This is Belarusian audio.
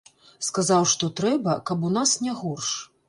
Сказаў, што трэба, каб у нас не горш.